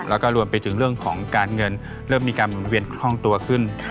แล้วก็รวมไปถึงเรื่องของการเงินเริ่มมีการหมุนเวียนคล่องตัวขึ้น